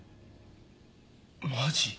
マジ？